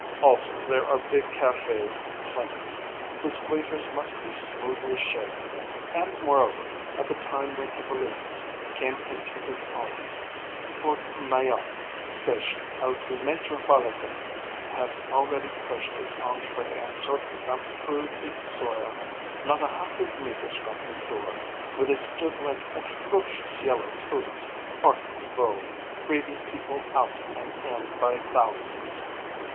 Also there are big cafés in plenty, whose waiters must be smoothly shaven: and moreover, at the time when Hippolyte came into his own, the porte Maillot station of the Métropolitain had already pushed its entrée and sortie up through the soil, not a hundred metres from his door, where they stood like atrocious yellow tulips, art nouveau, breathing people out and in by thousands.